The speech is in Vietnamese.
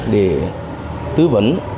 để tư vấn